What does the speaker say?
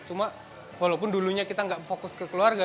cuma walaupun dulunya kita nggak fokus ke keluarga